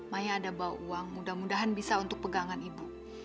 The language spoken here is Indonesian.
maya ada bawa uang mudah mudahan bisa untuk pegangan ibu